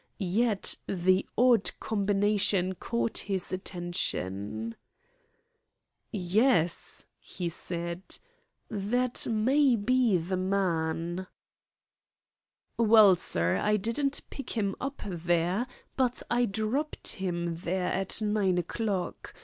Yet the odd combination caught his attention. "Yes," he said, "that may be the man." "Well, sir, I didn't pick him up there, but I dropped him there at nine o'clock.